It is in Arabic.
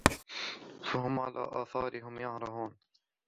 فَهُم عَلى آثارِهِم يُهرَعونَ